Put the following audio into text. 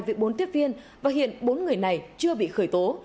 với bốn tiếp viên và hiện bốn người này chưa bị khởi tố